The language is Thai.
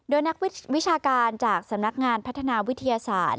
โดยนักวิชาการจากสำนักงานพัฒนาวิทยาศาสตร์